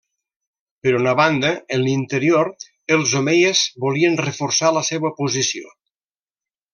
Per una banda, en l'interior, els omeies volien reforçar la seua posició.